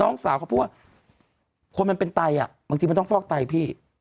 น้องสาวเขาพูดว่าคนมันเป็นไตอ่ะบางทีมันต้องฟอกไตพี่